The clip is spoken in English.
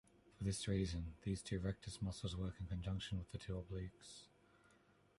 For this reason, these two rectus muscles work in conjunction with the two obliques.